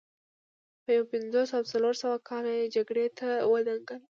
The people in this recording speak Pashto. په یو پنځوس او څلور سوه کال کې یې جګړې ته ودانګل